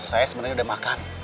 saya sebenernya udah makan